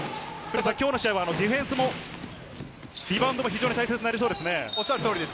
今日の試合はディフェンスもリバウンドも非常に大切になりそうですね。